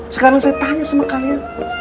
sekarang saya tanya semakanya